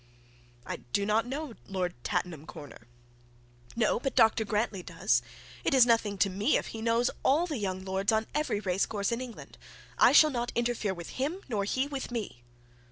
'I do not know Lord Tattenham Corner.' 'No; but Dr Grantly does. It is nothing to me if he knows all the young lords on every racecourse in England. I shall not interfere with him; nor shall he with me.'